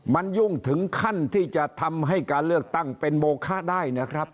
มันยุ่งถึงขั้นที่จะทำให้การเลือกตั้งเป็นโมคะได้นะครับ